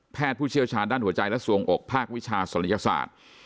ผู้เชี่ยวชาญด้านหัวใจและสวงอกภาควิชาศัยศาสตร์